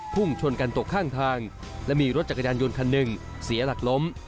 ส่วนคันหนึ่งเสียหลักล้ม